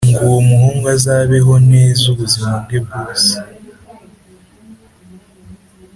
Ngo uwo muhungu azabeho neza ubuzima bwe bwose